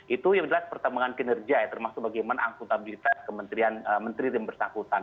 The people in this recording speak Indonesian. itu yang jelas pertimbangan kinerja ya termasuk bagaimana akuntabilitas kementerian menterian yang bersahabatan